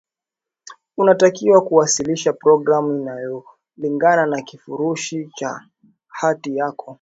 unatakiwa kuwasilisha programu inayolingana na kifurushi cha hati yako